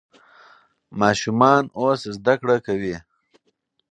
ماشومان اوس زده کړه کوي.